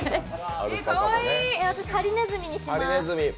私、ハリネズミにします。